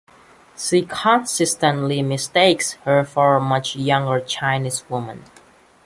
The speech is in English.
She consistently mistakes her for much younger Chinese women.